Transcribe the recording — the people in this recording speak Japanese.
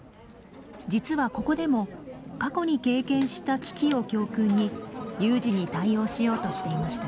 実はここでも過去に経験した危機を教訓に有事に対応しようとしていました。